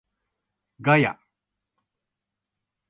ガヤ